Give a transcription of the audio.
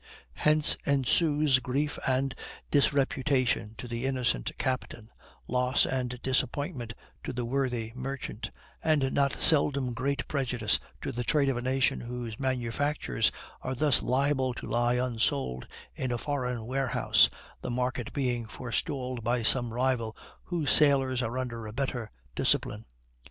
Hence ensues grief and disreputation to the innocent captain, loss and disappointment to the worthy merchant, and not seldom great prejudice to the trade of a nation whose manufactures are thus liable to lie unsold in a foreign warehouse the market being forestalled by some rival whose sailors are under a better discipline.